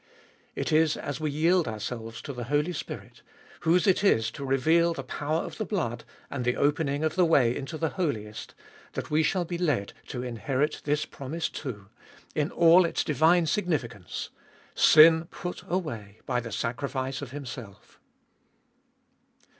It is as we yield ourselves to the Holy Spirit, whose it is to reveal the power of the blood and the opening of the way into the Holiest, that we shall be led to inherit this 3be iboltest of BU 325 promise too, in all its divine significance — sin put away by the sacrifice of Himself.